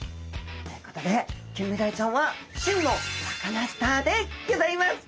ということでキンメダイちゃんは真のサカナスターでギョざいます。